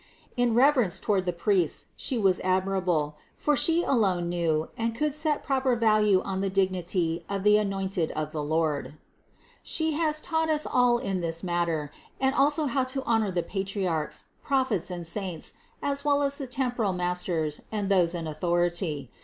In reverence toward the priests She was admirable, for She alone knew and could set proper value on the dignity of the anointed of the Lord. She has taught us all in this 434 CITY OF GOD matter, and also how to honor the Patriarchs, Prophets and Saints, as well as the temporal masters and those in authority.